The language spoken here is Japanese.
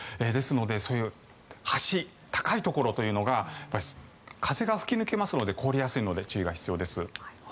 ですので、そういう橋高いところというのが風が吹き抜けますので凍りやすいので注意が必要です。